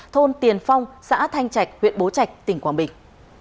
thôn tiền phong xã thanh trạch huyện bố trạch tỉnh quảng bình